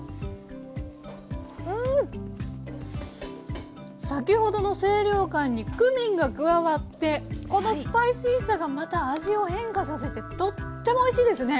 うん！先ほどの清涼感にクミンが加わってこのスパイシーさがまた味を変化させてとってもおいしいですね！